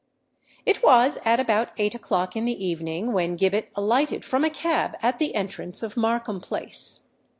It was at about eight o'clock in the evening when Gibbet alighted from a cab at the entrance of Markham Place.